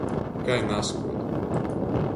Kai nazkod.